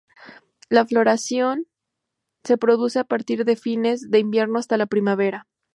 La floración se produce a partir de fines de invierno hasta la primavera.